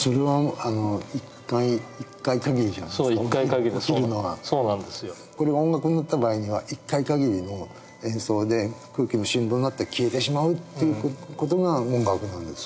そうするとそれはこれが音楽になった場合には一回限りの演奏で空気の振動になって消えてしまうっていう事が音楽なんです。